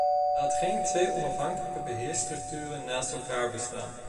Laat geen twee onafhankelijke beheersstructuren naast elkaar bestaan.